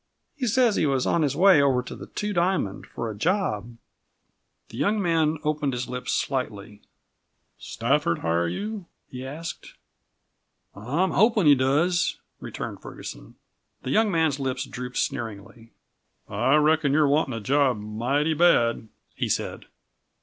He says he was on his way over to the Two Diamond, for a job." The young man opened his lips slightly. "Stafford hire you?" he asked. "I'm hopin' he does," returned Ferguson. The young man's lips drooped sneeringly. "I reckon you're wantin' a job mighty bad," he said.